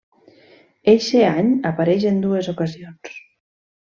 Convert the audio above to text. Eixe any apareix en dues ocasions.